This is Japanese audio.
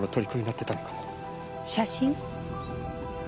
写真？